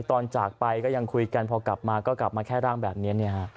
จากไปก็ยังคุยกันพอกลับมาก็กลับมาแค่ร่างแบบนี้